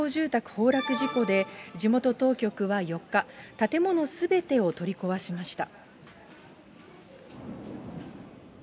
崩落事故で、地元当局は４日、建物すべてを取り壊しました。